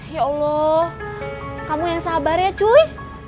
ya allah kamu yang sabar ya cui